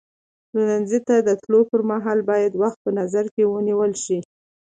پلورنځي ته د تللو پر مهال باید وخت په نظر کې ونیول شي.